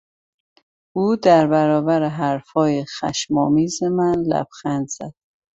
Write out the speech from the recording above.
او در برابر حرفهای خشم آمیز من لبخند زد.